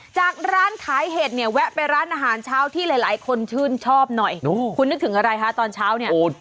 จากร้านขายเห็ดเนี่ยแวะไปร้านอาหารเช้าที่หลายคนชื่นชอบหน่อยคุณนึกถึงอะไรคะตอนเช้าเนี่ย